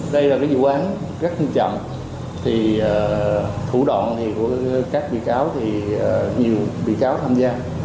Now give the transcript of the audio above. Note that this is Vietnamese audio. đây là cái vụ án rất nghiêm trọng thì thủ đoạn của các bị cáo thì nhiều bị cáo tham gia